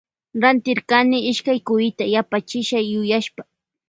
Rantirkni ishkay cuyta yapachisha yuyashpa.